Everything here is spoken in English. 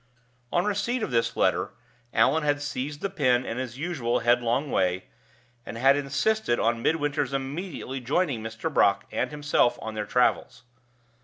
On receipt of this letter, Allan had seized the pen in his usual headlong way, and had insisted on Midwinter's immediately joining Mr. Brock and himself on their travels.